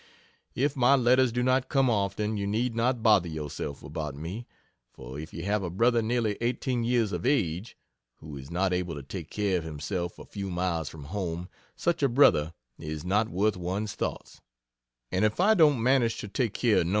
If my letters do not come often, you need not bother yourself about me; for if you have a brother nearly eighteen years of age, who is not able to take care of himself a few miles from home, such a brother is not worth one's thoughts: and if I don't manage to take care of No.